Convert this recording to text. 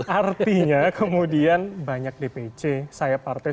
artinya kemudian banyak dpc saya partai